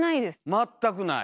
全くない？